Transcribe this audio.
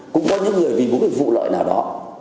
cũng có những người vì một cái vụ lợi nào đó